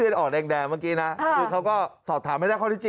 นอนไม่ได้เข้าใจ